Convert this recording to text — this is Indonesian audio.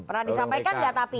pernah disampaikan nggak tapi